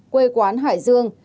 quê quán hải dương